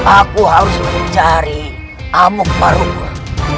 aku harus mencari amuk parumu